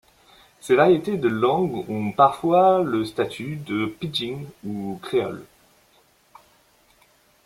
Ces variétés de langues ont parfois le statut de pidgin ou créoles.